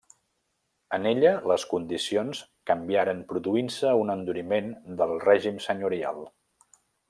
En ella les condicions canviaren produint-se un enduriment del règim senyorial.